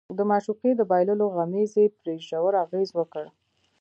د معشوقې د بايللو غمېزې پرې ژور اغېز وکړ.